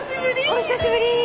お久しぶり！